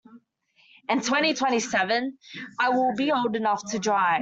In twenty-twenty-seven I will old enough to drive.